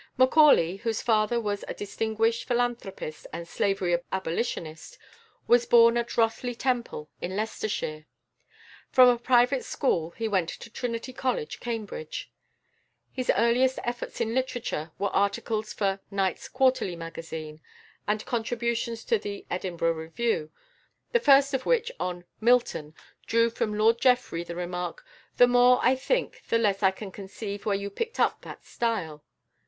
Macaulay, whose father was a distinguished philanthropist and slavery abolitionist, was born at Rothley Temple, in Leicestershire. From a private school he went to Trinity College, Cambridge. His earliest efforts in literature were articles for Knight's Quarterly Magazine, and contributions to the Edinburgh Review, the first of which, on "Milton," drew from Lord Jeffrey the remark, "The more I think the less I can conceive where you picked up that style."